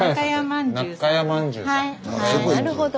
なるほど。